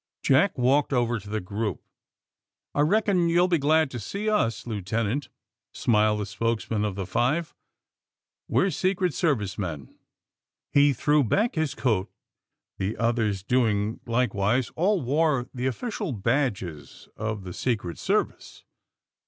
Jack walked over to the group. *^I reckon you'll be glad to see us, Lieuten ant," smiled the spokesman of the five. '^We're Secret Service men." 240 THE feUBMAEINE BOYS He threw back Ills coat, tlie others doing like wise. All wore the official badges of the Secret Service.